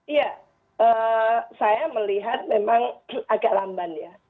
iya saya melihat memang agak lamban ya